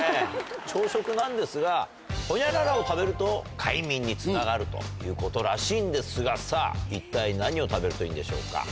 朝食なんですがホニャララを食べると快眠につながるということらしいんですがさぁ一体何を食べるといいんでしょうか？